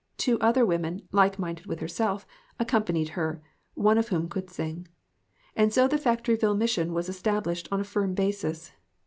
Two other women, like minded with herself, accom panied her, one of whom could sing. And so the Factory ville mission was estab lished on a firm basis.